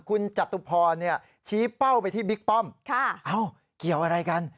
คุณจตุพรชี้เป้าไปที่บิ๊กป้อมเกี่ยวอะไรกัน